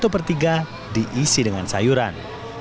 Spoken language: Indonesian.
satu per tiga diisi dengan sayuran